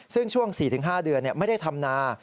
ซึ่งช่วง๔๕เดือนไม่ได้ทำนา